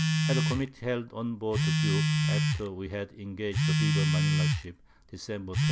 At a Committee held on board the Duke, after we had engag'd the bigger Manila Ship, _December 27.